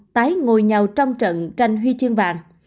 tái ngồi nhau trong trận tranh huy chương vàng